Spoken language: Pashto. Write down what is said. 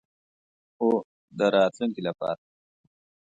هو، د راتلونکی لپاره